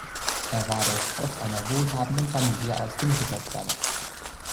Er war der Spross einer wohlhabenden Familie aus dem Ritterstand.